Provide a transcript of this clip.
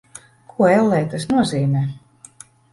Ko, ellē, tas nozīmē?